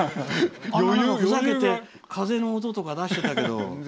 ふざけて風の音とか出してたけど。